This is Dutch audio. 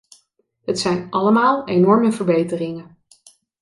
Het zijn allemaal enorme verbeteringen.